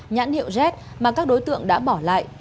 nhãn hiệu z mà các đối tượng đã bỏ lại